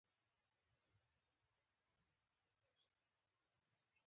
کلتور د افغانستان د تکنالوژۍ پرمختګ سره تړاو لري.